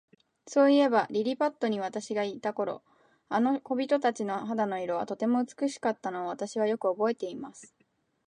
そういえば、リリパットに私がいた頃、あの小人たちの肌の色は、とても美しかったのを、私はよくおぼえています。